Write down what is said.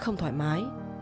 không thoải mái